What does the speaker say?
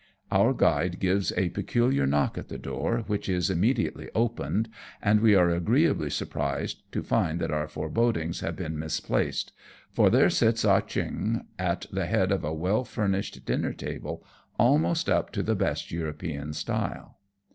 Our guide gives a peculiar knock at the door, which is immediately openedj and we are agreeably surprised to find that our forebodings have been misplaced ; for there sits Ah Cheong at the head of a well furnished dinner table, almost up to the best European style.